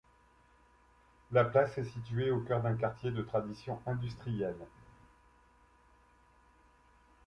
La place est située au cœur d'un quartier de tradition industrielle.